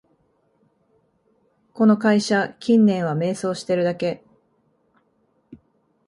この会社、近年は迷走してるだけ